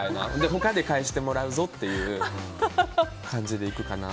他で返してもらうぞっていう感じでいくかな。